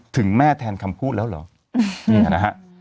ถึงแม่แทนคำพูดแล้วเหรอ